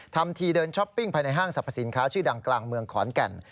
ทำทีเดินช้อปปิ้งภายในห้างสรรพสินค้าชื่อดังกลางเมืองขอนแก่น